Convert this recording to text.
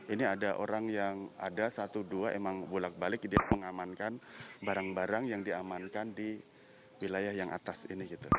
ini ada orang yang ada satu dua emang bolak balik dia mengamankan barang barang yang diamankan di wilayah yang atas ini gitu